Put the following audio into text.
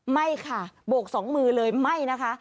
ไม่ค่ะบวก๒มือเลยไม่นะคะ